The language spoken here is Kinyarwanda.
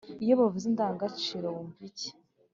iyo bavuze indangagaciro, wumva iki